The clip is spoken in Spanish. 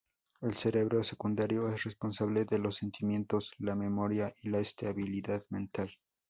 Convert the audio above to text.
El cerebro secundario es responsable de los sentimientos, la memoria y la estabilidad mental.